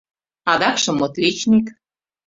Адакшым отличник.